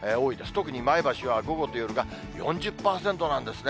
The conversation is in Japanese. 特に前橋は、午後と夜が４０％なんですね。